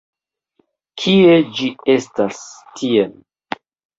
Kie ĝi estas... tie!